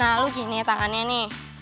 nah lu gini ya tangannya nih